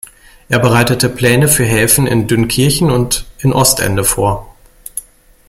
Er bereitete Pläne für Häfen in Dünkirchen und in Ostende vor.